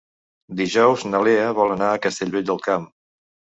Dijous na Lea vol anar a Castellvell del Camp.